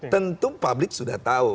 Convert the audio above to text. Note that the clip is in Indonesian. tentu publik sudah tahu